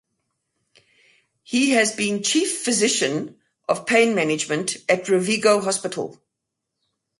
He has been chief physician of pain management at Rovigo Hospital.